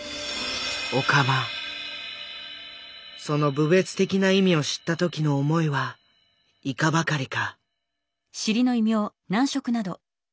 その侮蔑的な意味を知った時の思いはいかばかりか。